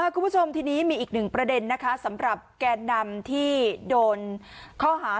คุณผู้ชมทีนี้มีอีกหนึ่งประเด็นนะคะสำหรับแกนนำที่โดนข้อหา